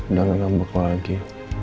udah gak ngambek lagi